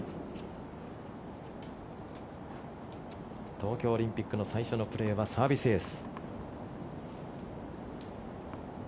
東京オリンピックの最初のプレーはサービスエース。